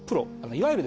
いわゆる